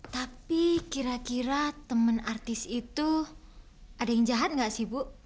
tapi kira kira teman artis itu ada yang jahat gak sih bu